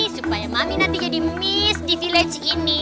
supaya mami nanti jadi miss di village ini